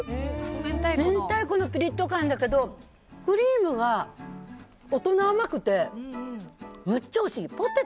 明太子のピリッと感だけどクリームが大人甘くてむっちゃおいしい。